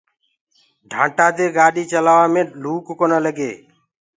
ڍآٽآ دي گآڏي چلآوآ مينٚ لوُڪ ڪونآ لگي۔